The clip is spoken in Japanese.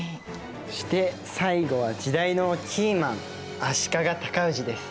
そして最後は時代のキーマン足利高氏です。